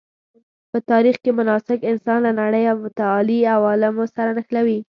په تاریخ کې مناسک انسان له نړۍ او متعالي عوالمو سره نښلوي.